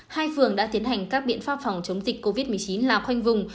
hai phường đã tiến hành các biện pháp phòng chống dịch covid một mươi chín là khoanh vùng